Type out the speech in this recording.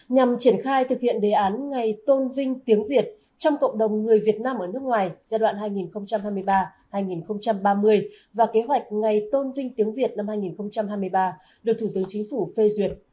nhằm triển khai thực hiện đề án ngày tôn vinh tiếng việt trong cộng đồng người việt nam ở nước ngoài giai đoạn hai nghìn hai mươi ba hai nghìn ba mươi và kế hoạch ngày tôn vinh tiếng việt năm hai nghìn hai mươi ba được thủ tướng chính phủ phê duyệt